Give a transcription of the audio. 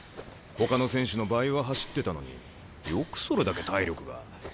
ほかの選手の倍は走ってたのによくそれだけ体力が。